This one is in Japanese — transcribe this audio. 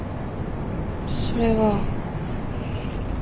それは。